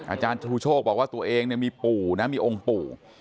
อาจารย์ชูโชคบอกว่าตัวเองเนี่ยมีปู่นะมีองค์ปู่